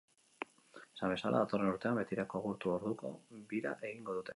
Esan bezala, datorren urtean, betirako agurtu orduko, bira egingo dute.